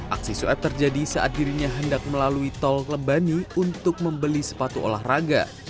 aksi suap terjadi saat dirinya hendak melalui tol lebani untuk membeli sepatu olahraga